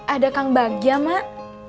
ada kang bagia mak